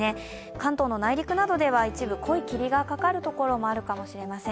関東の内陸などでは一部、濃い霧がかかる所があるかもしれません。